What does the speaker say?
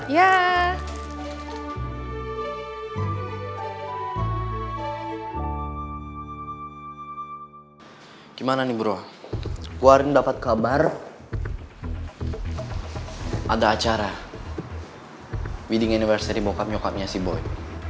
ya gimana nih bro gua hari ini dapat kabar ada acara meeting anniversary bokap nyokapnya si boy